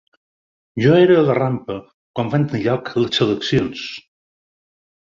Jo era a la rampa quan van tenir lloc les seleccions.